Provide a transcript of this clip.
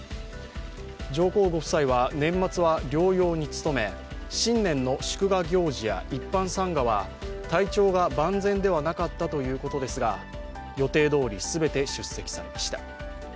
上皇ご夫妻は年末は療養に努め、新年の祝賀行事や一般参賀は体調が万全ではなかったということですが、予定どおり全て出席されました。